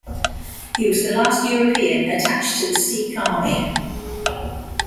He was the last European attached to the Sikh army.